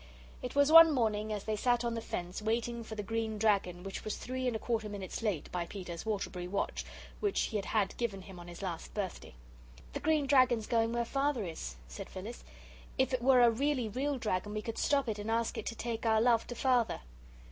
It was one morning as they sat on the fence waiting for the Green Dragon, which was three and a quarter minutes late by Peter's Waterbury watch that he had had given him on his last birthday. "The Green Dragon's going where Father is," said Phyllis; "if it were a really real dragon, we could stop it and ask it to take our love to Father."